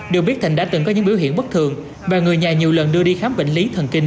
được biết thịnh đã từng có những biểu hiện bất thường và người nhà nhiều lần đưa đi khám bệnh lý thần kinh